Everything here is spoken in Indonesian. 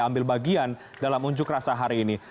ambil bagian dalam unjuk rasa hari ini